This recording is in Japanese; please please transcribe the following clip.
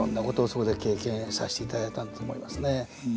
そこで経験させていただいたんだと思いますね。